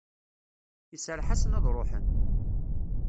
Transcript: Iserreḥ-asen ad ruḥen.